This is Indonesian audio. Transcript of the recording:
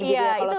iya itu memang